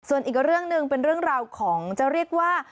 ส่วนอีกเรื่องหนึ่งเป็นเรื่องราวของจะเรียกว่า